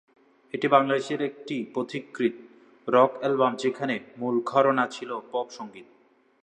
এটি বাংলাদেশের একটি পথিকৃৎ রক অ্যালবাম যেখানে মূল ঘরানা ছিল পপ সংগীত।